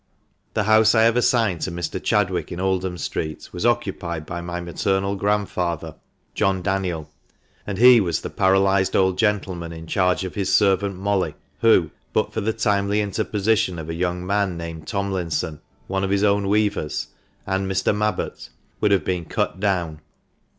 The house I have assigned to Mr. Chadwick in Oldham Street, was occupied by my maternal grandfather, John Daniel, and he was the paralysed old gentleman in charge of his servant Molly, who, but for the timely interposition of a young man named Tomlinson, one of his own weavers, and Mr. Mabbott, would have been cut down.